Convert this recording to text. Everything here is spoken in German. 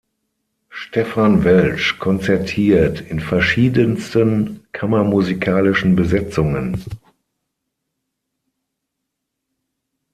Stefan Welsch konzertiert in verschiedensten kammermusikalischen Besetzungen.